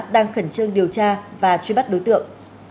đang khẩn trương điều tra và truy bắt đối tượng